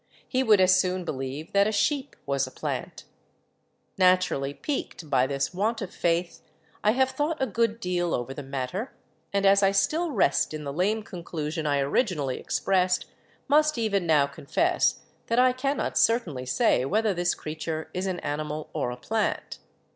He would as soon believe that a sheep was a plant. Naturally piqued by this want of faith, I have thought a good deal over the matter, and as I still rest ORGANIC FUNCTIONS 101 in the lame conclusion I originally expressed must even now confess that I cannot certainly say whether this creature is an animal or a plant."